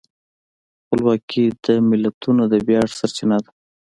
خپلواکي د ملتونو د ویاړ سرچینه ده.